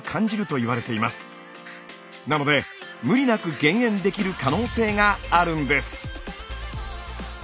なので無理なく減塩できる可能性があるんです。